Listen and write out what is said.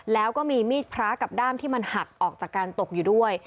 แล้วก็มีมีดพระกับด้ามที่มันหักออกจากการตกอยู่ด้วย